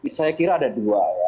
saya kira ada dua